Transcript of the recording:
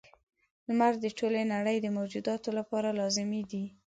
• لمر د ټولې نړۍ د موجوداتو لپاره لازمي دی.